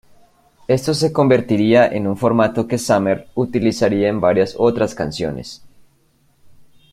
Esto se convertiría en un formato que Summer utilizaría en varias otras canciones.